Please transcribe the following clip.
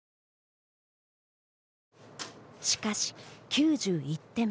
しかし、９１手目。